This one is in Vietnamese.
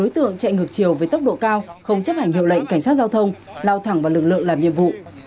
tốc độ cao không chấp hành hiệu lệnh cảnh sát giao thông lao thẳng vào lực lượng làm nhiệm vụ